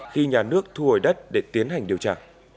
khi nhà nước thu hồi đất để tiến hành điều tra